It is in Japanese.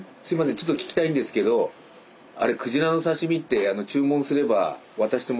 ちょっと聞きたいんですけどクジラの刺身って注文すれば渡してもらえるんですか？